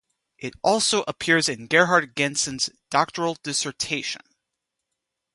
It also appears in Gerhard Gentzen's doctoral dissertation.